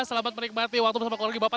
selamat menikmati waktu bersama keluarga bapak